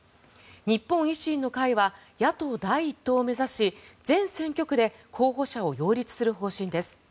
日本維新の会は野党第１党を目指し全選挙区で候補者を擁立する方針です。